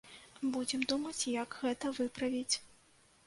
Будзем думаць, як гэта выправіць.